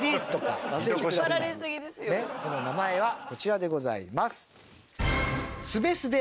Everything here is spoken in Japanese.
その名前はこちらでございます。